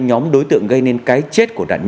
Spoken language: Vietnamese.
nhóm đối tượng gây nên cái chết của nạn nhân